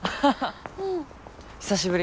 久しぶり。